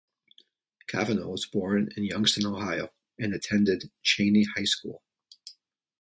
Cavanaugh was born in Youngstown, Ohio, and attended Chaney High School.